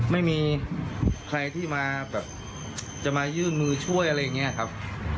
ไม่มีใครที่มาแบบจะมายื่นมือช่วยอะไรอย่างนี้ครับ